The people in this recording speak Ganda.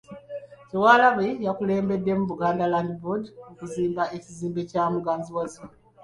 Kyewalabye yakulemberamu Buganda Land Board okuzimba ekizimbe kya Muganzirwazza.